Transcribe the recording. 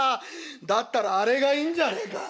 だったらあれがいいんじゃねえか？